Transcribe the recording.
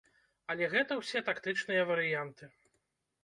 Але гэта ўсе тактычныя варыянты.